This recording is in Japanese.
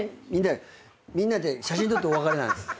みんなで写真撮ってお別れなんです。